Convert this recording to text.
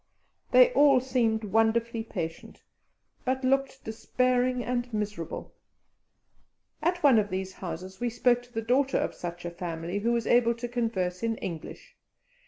They all seemed wonderfully patient, but looked despairing and miserable. At one of these houses we spoke to the daughter of such a family who was able to converse in English.